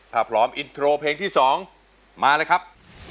ถ้าพร้อมอินโทรเพลงที่๒มาเลยครับ